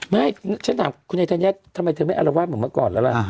ไม่ฉันถามคุณไอธัญญาทำไมเธอไม่อารวาสเหมือนเมื่อก่อนแล้วล่ะ